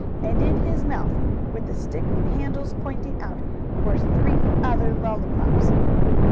And in his mouth, with the stick handles pointing out, were three other lollypops!